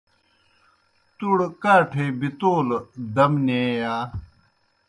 تُوْڑ کاٹھے بِتَولَوْ دیم نیں یا۔